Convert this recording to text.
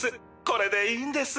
これでいいんです。